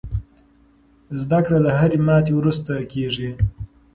زده کړه له هرې ماتې وروسته کېږي.